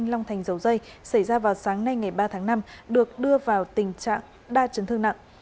long thành dầu dây xảy ra vào sáng nay ngày ba tháng năm được đưa vào tình trạng đa chấn thương nặng